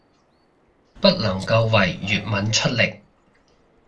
不能夠為粵文出力